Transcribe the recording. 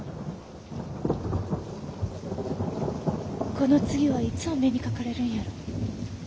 この次はいつお目にかかれるんやろ？